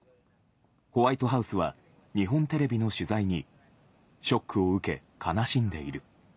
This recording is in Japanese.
ホワイトハウスは日本テレビの取材に、ショックを受け悲しんでいる。